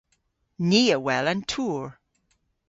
Ni a wel an tour.